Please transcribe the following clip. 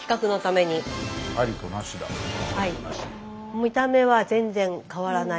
見た目は全然変わらない。